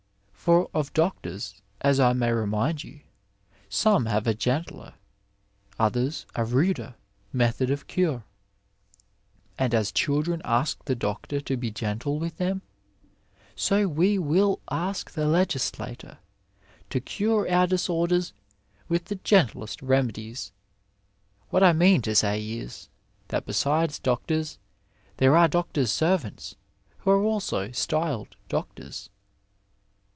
For of doctors, as I may remind you, some have a gentler, others a nider method of cure ; and as children ask the dootor to be gentle with them, so we will ask the legislator to cure our disorderB with the gentlest remedies. What I mean to say is, that besides doctors there are doctors' servants, who are also styled doctors.